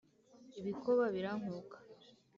ibikoba birankuka